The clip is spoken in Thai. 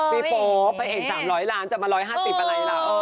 ที่โปพเย่ง๓๐๐ล้านนะจะมา๑๕๐อะไรละ